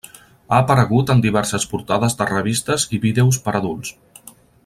Ha aparegut en diverses portades de revistes i vídeos per adults.